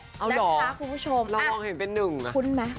เราลองมีให้เป็นหนึ่งนะ